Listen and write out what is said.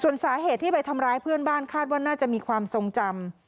ส่วนสาเหตุที่ไปทำร้ายเพื่อนบ้านคาดว่าน่าจะมีความทรงจำ